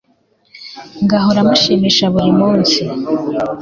ngahora mushimisha buri munsi